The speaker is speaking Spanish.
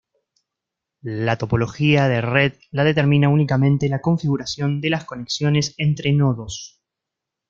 La topología de red la determina únicamente la configuración de las conexiones entre nodos.